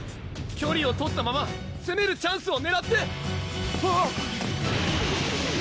距離を取ったまませめるチャンスをねらってわっ！